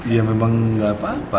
ya memang nggak apa apa